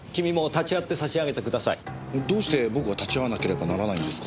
どうして僕が立ち会わなければならないんですか？